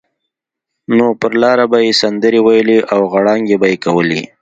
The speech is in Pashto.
نو پر لاره به یې سندرې ویلې او غړانګې به یې کولې.